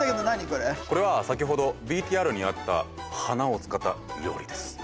これは先ほどＶＴＲにあった花を使った料理です。